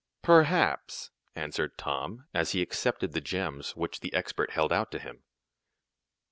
"Perhaps," answered Tom, as he accepted the gems which the expert held out to him.